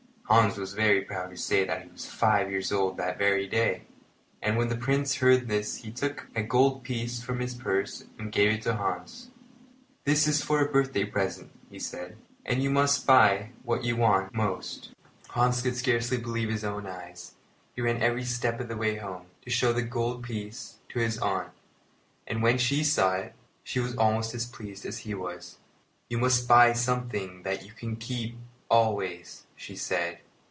Hans was very proud to say that he was five years old that very day; and when the Prince heard this he took a gold piece from his purse and gave it to Hans. "This is for a birthday present," he said, "and you must buy what you want most." The Silver Chain Hans could scarcely believe his own eyes. He ran every step of the way home, to show the gold piece to his aunt; and, when she saw it, she was almost as pleased as he was. "You must buy something that you can keep always," she said.